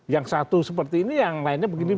yang satu seperti ini yang lainnya begini